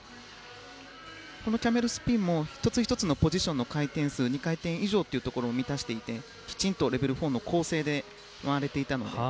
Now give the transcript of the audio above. このキャメルスピンも１つ１つのポジションの回転数２回転以上を満たしていてきちんとレベル４の構成で回れていました。